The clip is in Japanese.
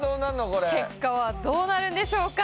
これ結果はどうなるんでしょうか？